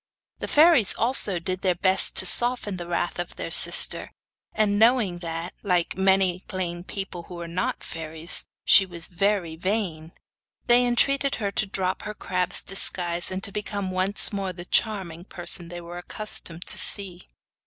The fairies also did their best to soften the wrath of their sister, and knowing that, like many plain people who are not fairies, she was very vain, they entreated her to drop her crab's disguise, and to become once more the charming person they were accustomed to see.